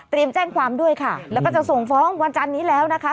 แจ้งความด้วยค่ะแล้วก็จะส่งฟ้องวันจันนี้แล้วนะคะ